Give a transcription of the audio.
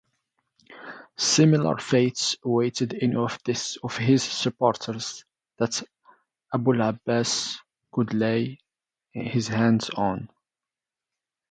Similar fates awaited any of his supporters that Abu'l-Abbas could lay his hands on.